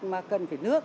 mà cần phải nước